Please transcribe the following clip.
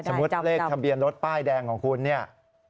เลขทะเบียนรถป้ายแดงของคุณเนี่ย